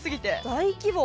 大規模。